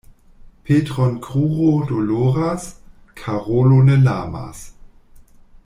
Petron kruro doloras, Karolo ne lamas.